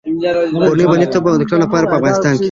کورنیو او باندنیو طب ډاکټرانو لپاره چې په افغانستان